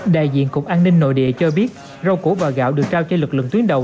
đại diện cục an ninh nội địa cho biết rau củ và gạo được trao cho lực lượng tuyến đầu